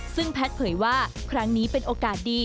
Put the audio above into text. ซึ่งแพทย์เผยว่าครั้งนี้เป็นโอกาสดี